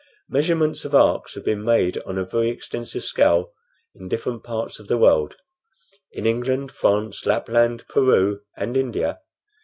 Measurements of arcs have been made on a very extensive scale in different parts of the world in England, France, Lapland, Peru, and India.